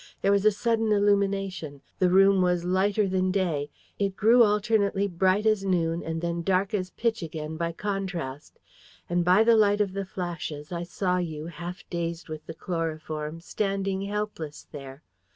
There was a sudden illumination. The room was lighter than day. It grew alternately bright as noon and then dark as pitch again by contrast. And by the light of the flashes, I saw you, half dazed with the chloroform, standing helpless there.